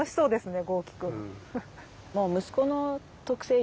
そうですね